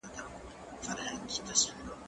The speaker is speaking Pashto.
زه کولای سم سپينکۍ پرېولم!